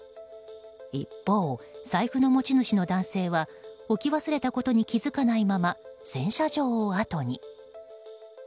一方、財布の持ち主の男性は置き忘れたことに気づかないまま、洗車場をあとに。